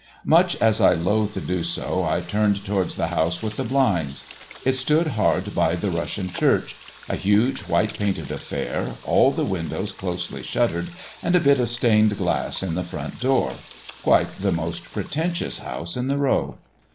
Much as I loathed to do so I turned towards the house with the blinds. It stood hard by the Russian Church, a huge white painted affair, all the windows closely shuttered and a bit of stained glass in the front door—quite the most pretentious house in the row.